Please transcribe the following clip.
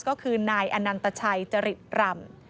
ก็คือนายอนันตชัยจริตรำ